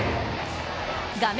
画面